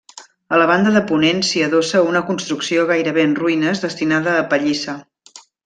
A la banda de ponent s'hi adossa una construcció gairebé en ruïnes destinada a pallissa.